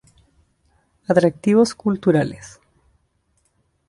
Atractivos Culturales.